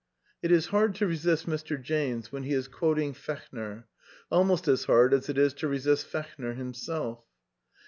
It is hard to resist Mr. James when he is quoting Fech ner, almost as hard as it is to resist Fechner himself.